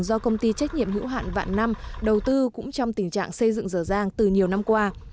do công ty trách nhiệm hữu hạn vạn năm đầu tư cũng trong tình trạng xây dựng dở dàng từ nhiều năm qua